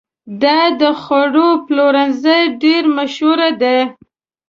دا د خوړو پلورنځی ډېر مشهور دی.